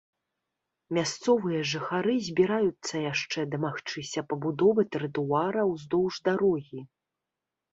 Мясцовыя жыхары збіраюцца яшчэ дамагчыся пабудовы тратуара ўздоўж дарогі.